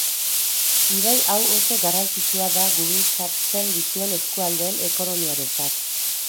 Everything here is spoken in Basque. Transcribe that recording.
Ibai hau oso garrantzitsua da gurutzatzen dituen eskualdeen ekonomiarentzat.